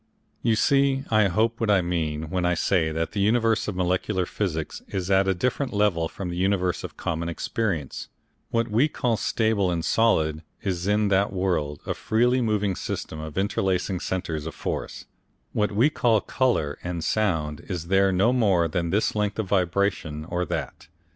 You see, I hope, what I mean, when I say that the universe of molecular physics is at a different level from the universe of common experience; what we call stable and solid is in that world a freely moving system of interlacing centres of force, what we call colour and sound is there no more than this length of vibration or that.